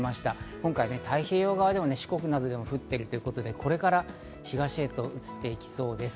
今回、太平洋側でも四国などで降っているということで、これから東へと移っていきそうです。